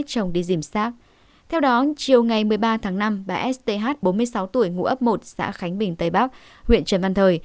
hôm một mươi ba tháng năm bà s t h bốn mươi sáu tuổi ngũ ấp một xã khánh bình tây bắc huyện trần văn thời